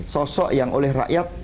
sosok yang oleh rakyat